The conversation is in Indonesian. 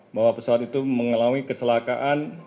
bahwa pesawat itu mengalami kecelakaan